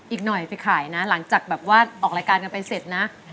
อีกหน่อยไปขายนะหลังจากแบบว่าออกรายการกันไปเสร็จนะ